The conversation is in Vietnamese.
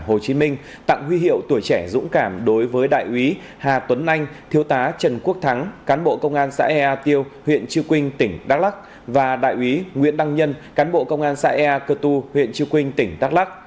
hồ chí minh tặng huy hiệu tuổi trẻ dũng cảm đối với đại úy hà tuấn anh thiếu tá trần quốc thắng cán bộ công an xã ea tiêu huyện chư quynh tỉnh đắk lắc và đại úy nguyễn đăng nhân cán bộ công an xã ea cơ tu huyện chư quynh tỉnh đắk lắc